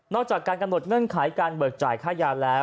จากการกำหนดเงื่อนไขการเบิกจ่ายค่ายาแล้ว